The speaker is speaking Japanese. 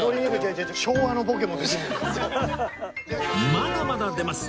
まだまだ出ます！